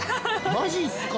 ◆まじっすか。